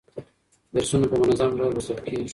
درسونه په منظم ډول لوستل کیږي.